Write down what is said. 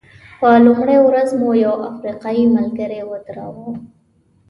په لومړۍ ورځ مو یو افریقایي ملګری ودراوه.